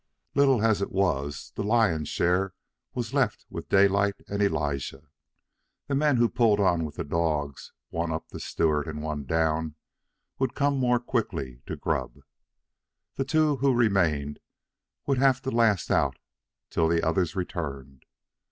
Little as it was, the lion's share was left with Daylight and Elijah. The men who pulled on with the dogs, one up the Stewart and one down, would come more quickly to grub. The two who remained would have to last out till the others returned.